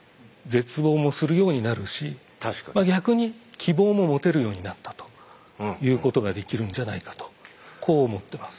まあ逆に希望も持てるようになったと言うことができるんじゃないかとこう思ってます。